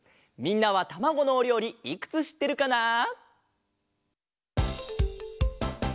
みんなはたまごのおりょうりいくつしってるかな？